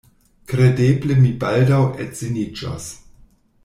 Kredeble mi baldaŭ edziniĝos.